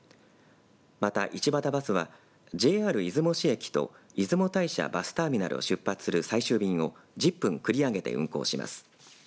また一畑バスはＪＲ出雲市駅と出雲大社バスターミナルを出発する最終便を１０分繰り上げて運行します。